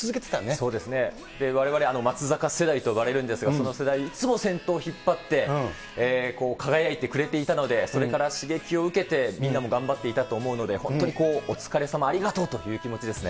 そうですね、われわれ松坂世代と呼ばれるんですが、その世代、いつも先頭を引っ張って、輝いてくれていたので、それから刺激を受けて、みんなも頑張っていたと思うので、本当にお疲れさま、ありがとうという気持ちですね。